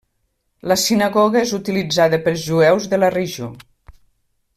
La sinagoga és utilitzada pels jueus de la regió.